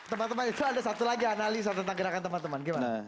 teman teman itu ada satu lagi analisa tentang gerakan teman teman gimana